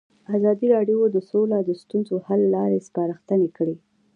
ازادي راډیو د سوله د ستونزو حل لارې سپارښتنې کړي.